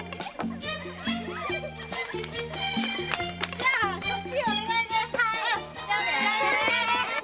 じゃあこっちお願いね。